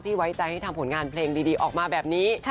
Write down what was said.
ไว้ใจให้ทำผลงานเพลงดีออกมาแบบนี้